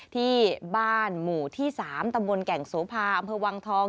ที่บ้านหมู่ที่๓ตำบลแก่งโสภาอำเภอวังทอง